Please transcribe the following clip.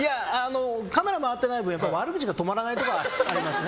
カメラ回っていない分悪口が止まらないところはありますね。